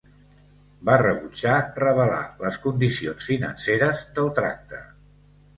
Va rebutjar revelar les condicions financeres del tracte.